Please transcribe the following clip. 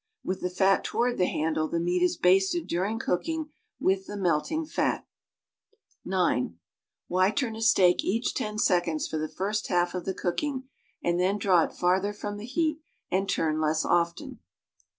With the fat toward the handle the meat is basted during cooking with the melting fttt. (9) AVhy tuTTi a steak caeh ten seconds for the first half of the cookin;,' ami then draw it fartlier from the heat and turn le.ss often?